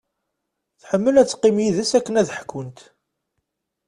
Tḥemmel ad teqqim d yid-s akken ad ḥkunt.